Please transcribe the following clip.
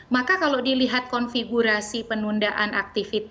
maka kalau dilihat konfigurasi penundaan aktivitas